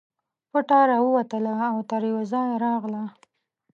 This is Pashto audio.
پټه راووتله او تر یوه ځایه راغله.